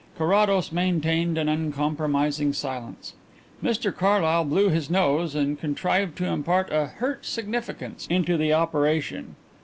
Carrados maintained an uncompromising silence. Mr Carlyle blew his nose and contrived to impart a hurt significance into the operation.